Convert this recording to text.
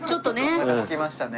おなかすきましたね。